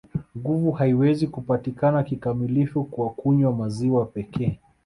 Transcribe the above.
Nguvu haiwezi kupatikana kikamilifu kwa kunywa maziwa pekee